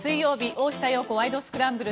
「大下容子ワイド！スクランブル」。